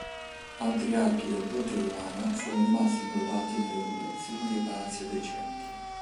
Altri archi del ponte romano sono rimasti inglobati nelle fondazioni dei palazzi adiacenti.